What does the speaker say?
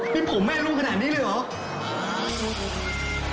นี่ผมแม่ลูกขนาดนี้เลยเหรอ